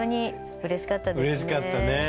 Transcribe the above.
うれしかったね。